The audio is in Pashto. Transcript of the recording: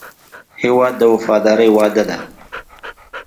هېواد د وفادارۍ وعده ده.